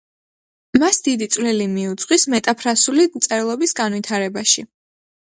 მას დიდი წვლილი მიუძღვის მეტაფრასული მწერლობის განვითარებაში.